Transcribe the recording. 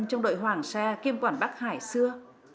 trong đội hoàng sa kiêm quản bắc hải xưa